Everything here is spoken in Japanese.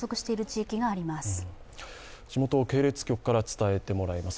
地元系列局から伝えてもらいます。